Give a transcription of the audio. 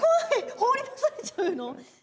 放り出されちゃうの！？